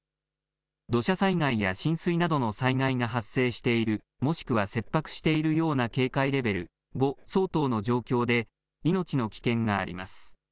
土砂災害や浸水などの災害が発生している、もしくは切迫しているような警戒レベル５相当の状況で、命の危険があります。